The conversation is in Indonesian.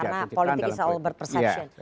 karena politik itu selalu berpersepsiun